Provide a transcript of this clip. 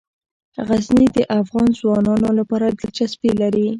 غزني د افغان ځوانانو لپاره دلچسپي لري.